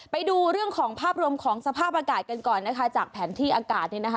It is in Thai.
ไปดูเรื่องของภาพรวมของสภาพอากาศกันก่อนนะคะจากแผนที่อากาศเนี่ยนะคะ